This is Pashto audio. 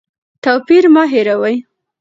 توپیر مه هېروئ.